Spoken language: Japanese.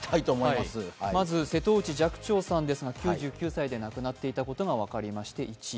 まず瀬戸内寂聴さんですが、９９歳で亡くなっていたことが分かりまして、１位。